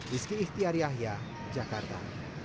rizky ihtiariah jakarta